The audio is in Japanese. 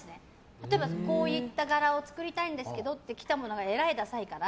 例えば、こういった柄を作りたいんですよって来たものがえらいダサいから。